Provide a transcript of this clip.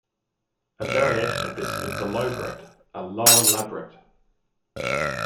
A variation of this is the lowbret, a lower labret.